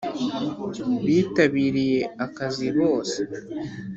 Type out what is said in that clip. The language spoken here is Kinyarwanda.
bitabiriye akazi bose